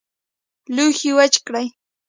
لوښي وچ کړئ